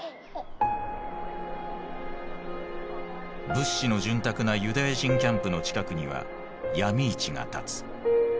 物資の潤沢なユダヤ人キャンプの近くには闇市が立つ。